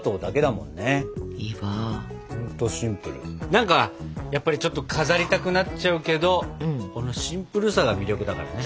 何かやっぱりちょっと飾りたくなっちゃうけどこのシンプルさが魅力だからね。